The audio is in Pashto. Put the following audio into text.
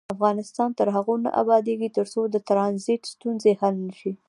افغانستان تر هغو نه ابادیږي، ترڅو د ټرانزیت ستونزې حل نشي.